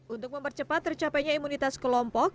untuk mempercepat tercapainya imunitas kelompok